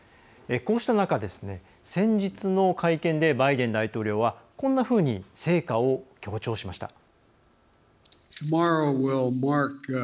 こうした中、先日の会見でバイデン大統領はこんなふうに成果を強調しました。